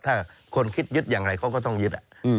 ถ้าคนคิดยึดอย่างไรเขาก็ต้องยึด